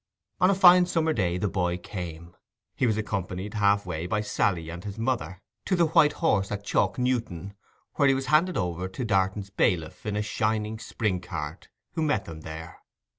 On a fine summer day the boy came. He was accompanied half way by Sally and his mother—to the 'White Horse,' at Chalk Newton—where he was handed over to Darton's bailiff in a shining spring cart, who met them there.